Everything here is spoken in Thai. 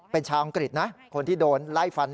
เป็นชาวอังกฤษนะคนที่โดนไล่ฟัน